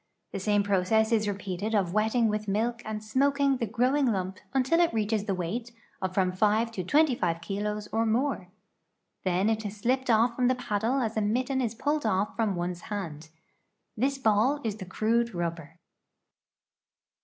The same process is repeated of wetting with milk and smoking the grow ing lump until it reaches the weight of from 5 to 25 kilos or more. Then it is slipped off from the paddle as a mitten is pulled off from one's hand. This ball is the crude rubber."